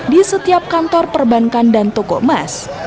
di setiap kantor perbankan dan toko emas